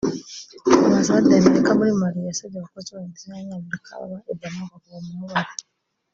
Ambasade ya Amerika muri Mali yasabye abakozi bayo ndetse n’Abanyamerika baba i Bamako kuguma aho bari